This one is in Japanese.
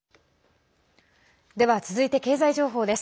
では続いて経済情報です。